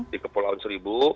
di kepulauan seribu